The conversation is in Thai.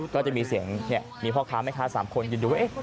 ก็จะมีเสียงมีพ่อค้าแม่ค้า๓คนยืนดูว่า